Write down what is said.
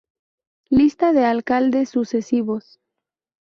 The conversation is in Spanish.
Lista de alcaldes sucesivos